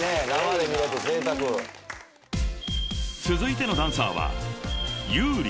［続いてのダンサーは］